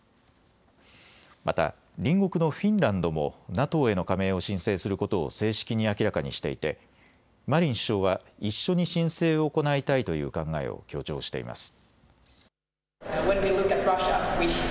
また隣国のフィンランドもＮＡＴＯへの加盟を申請することを正式に明らかにしていてマリン首相は一緒に申請を行いたいという考えを強調しています。